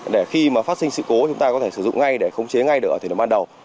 để khi phát sinh sự cố chúng ta có thể sử dụng ngay để khống chế ngay đỡ thì nó ban đầu